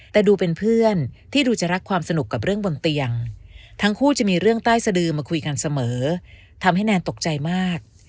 แต่ดูเป็นเพื่อนที่ดูจะรักความสนุกกับเรื่องบนเตียงทั้งคู่จะมีเรื่องใต้สดือมาคุยกันเสมอทำให้แนนตกใจมาก